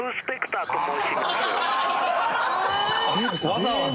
わざわざ。